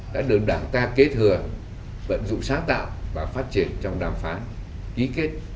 đã được đảng ta kết hừa vận dụng sáng tạo và phát triển trong đàm phán ký kết